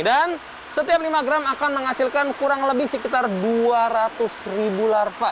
dan setiap lima gram akan menghasilkan kurang lebih sekitar dua ratus ribu larva